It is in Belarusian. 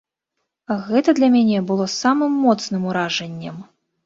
Гэта для мяне было самым моцным уражаннем.